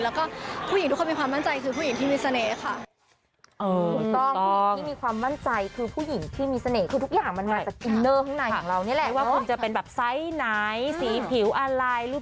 แล้วก็ผู้หญิงทุกคนมีความมั่นใจคือผู้หญิงที่มีเสน่ห์ค่ะ